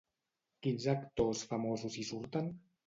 Quins actors famosos hi surten?